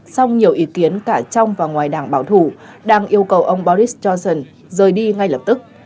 song nhiều ý kiến cả trong và ngoài đảng bảo thủ đang yêu cầu ông boris johnson rời đi ngay lập tức